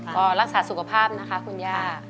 ก็รักษาสุขภาพนะคะคุณย่า